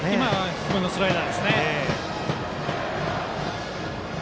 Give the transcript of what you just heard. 低めのスライダーですね。